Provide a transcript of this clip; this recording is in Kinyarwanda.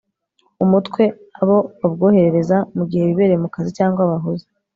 umutwe abo babwoherereza, mu gihe bibereye mu kazi cyangwa bahuze